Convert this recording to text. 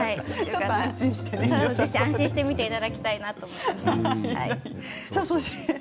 安心して見ていただきたいと思います。